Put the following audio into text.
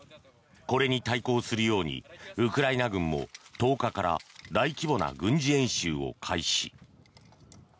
これに対抗するようにウクライナ軍も、１０日から大規模な軍事演習を開始。